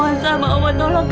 aida pasti akan bayar semuanya